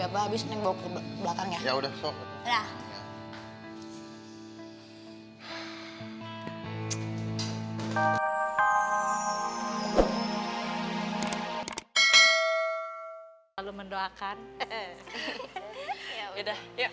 habis habis nih bau ke belakangnya ya udah sohra lalu mendoakan ya udah ya